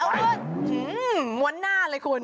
อุ๊ยหือมวลหน้าเลยคุณ